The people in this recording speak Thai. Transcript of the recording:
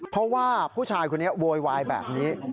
เพราะว่าผู้ชายคนนี้โวยวายแบบนี้